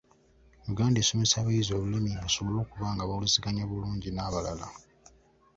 Uganda esomesa abayizi olulimi basobole okuba nga bawuliziganya bulungi n'abalala.